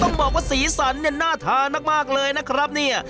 ต้องบอกว่าสีสันเนี่ยน่าทานมากเลยนะครับเนี่ย